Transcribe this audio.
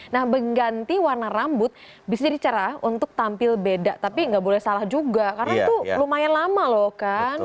nah mengganti warna rambut bisa jadi cerah untuk tampil beda tapi nggak boleh salah juga karena itu lumayan lama loh kan